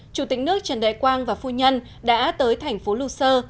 chủ tịch nước trần đại quang và phu nhân đã tới thành phố luxur